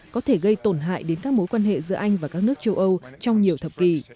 có thể gây tổn hại đến các mối quan hệ giữa anh và các nước châu âu trong nhiều thập kỷ